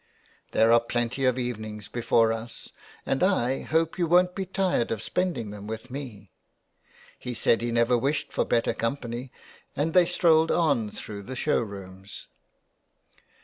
" There are plenty of evenings before us, and I hope you won't be tired of spending them with me." He said he never wished for better company, and they strolled on through the show rooms.